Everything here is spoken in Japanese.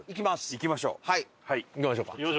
行きましょうか。